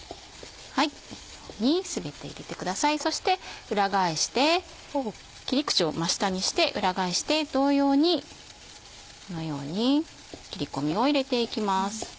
このように全て入れてくださいそして裏返して切り口を真下にして裏返して同様にこのように切り込みを入れていきます。